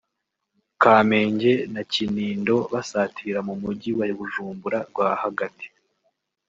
Kamenge na Kinindo basatira mu mujyi wa Bujumbura rwa hagati